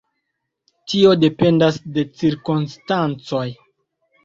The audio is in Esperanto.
Tio dependas de cirkonstancoj.